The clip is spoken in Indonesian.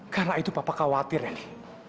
karena itu papa khawatir yandi